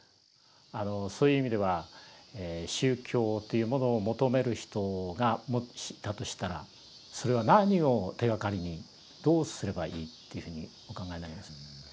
そういう意味では宗教というものを求める人がもしいたとしたらそれは何を手がかりにどうすればいいというふうにお考えになります？